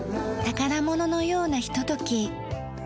宝物のようなひととき。